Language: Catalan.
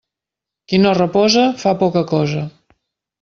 Qui no reposa, fa poca cosa.